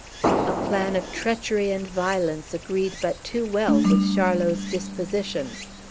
A plan of treachery and violence agreed but too well with Charlot's disposition.